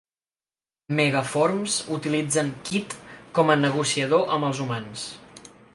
Megaforms utilitzen Kid com a negociador amb els humans.